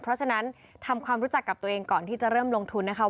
เพราะฉะนั้นทำความรู้จักกับตัวเองก่อนที่จะเริ่มลงทุนนะคะ